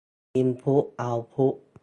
อินพุตเอาต์พุต